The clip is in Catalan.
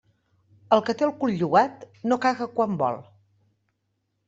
El que té el cul llogat no caga quan vol.